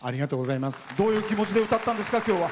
どういう気持ちで歌ったんですか？